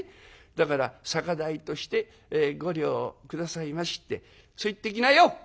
『だから酒代として５両下さいまし』ってそう言ってきなよ！」。